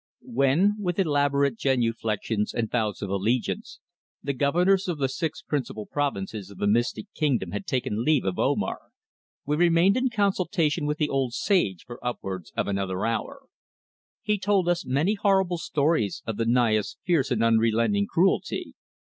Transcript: WHEN, with elaborate genuflections and vows of allegiance, the governors of the six principal provinces of the mystic Kingdom had taken leave of Omar, we remained in consultation with the old sage for upwards of another hour. He told us many horrible stories of the Naya's fierce and unrelenting cruelty.